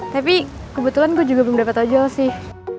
tapi kebetulan gue juga belum dapat ojol sih